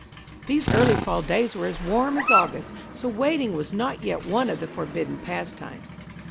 These early fall days were as warm as August, so wading was not yet one of the forbidden pastimes.